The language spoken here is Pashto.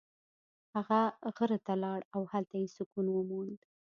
هغه غره ته لاړ او هلته یې سکون وموند.